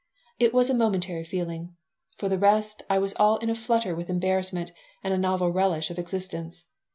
It was a momentary feeling. For the rest, I was all in a flutter with embarrassment and a novel relish of existence.